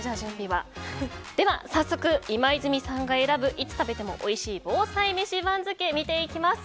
早速、今泉さんが選ぶいつ食べてもおいしい防災メシ番付、見ていきます。